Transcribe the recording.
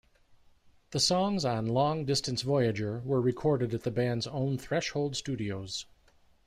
The songs on "Long Distance Voyager" were recorded at the band's own Threshold Studios.